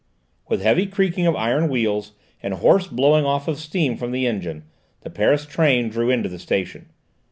With heavy creaking of iron wheels, and hoarse blowing off of steam from the engine, the Paris train drew into the station.